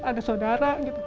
ada saudara gitu